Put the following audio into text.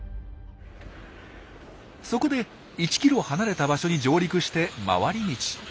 そこで１キロ離れた場所に上陸して回り道。